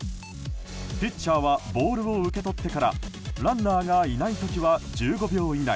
ピッチャーはボールを受け取ってからランナーがいない時は１５秒以内